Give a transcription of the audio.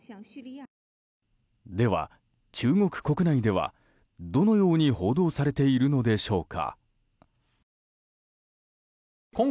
では中国国内ではどのように報道されているのでしょうか。